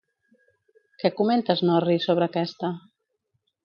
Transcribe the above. Què comenta Snorri sobre aquesta?